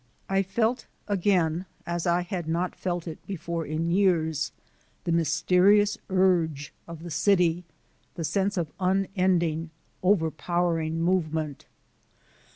I felt again, as I had not felt it before in years, the mysterious urge of the city the sense of unending, overpowering movement.